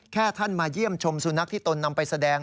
แค่ท่านมาเยี่ยมชมสุนัขที่ตนนำไปแสดง